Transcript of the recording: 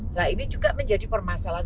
nah ini juga menjadi permasalahan